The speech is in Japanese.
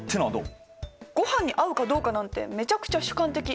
ごはんに合うかどうかなんてめちゃくちゃ主観的。